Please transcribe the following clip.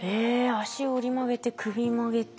脚折り曲げて首曲げて。